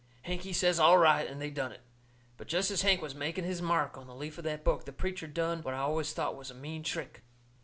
Hank, he says all right, and they done it. But jest as Hank was making his mark on the leaf of the book, that preacher done what I has always thought was a mean trick.